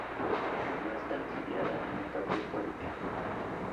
No está afiliada a ningún partido político.